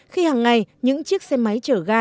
khi hàng ngày những chiếc xe máy chở ga